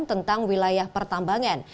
tentang wilayah pertambangan